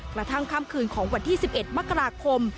กระทั่งค่ำคืนของวันที่๑๑มกราคม